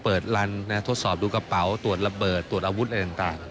ลันทดสอบดูกระเป๋าตรวจระเบิดตรวจอาวุธอะไรต่าง